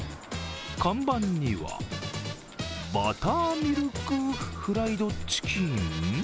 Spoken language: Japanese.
看板には、バターミルクフライドチキン？